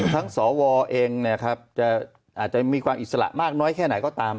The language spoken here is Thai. สวเองอาจจะมีความอิสระมากน้อยแค่ไหนก็ตาม